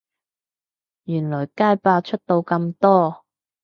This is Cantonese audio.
原來街霸出到咁多